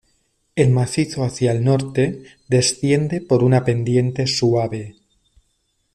El macizo hacia el norte desciende por una pendiente suave.